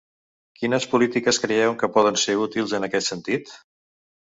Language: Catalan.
Quines polítiques creieu que poden ser útils en aquest sentit?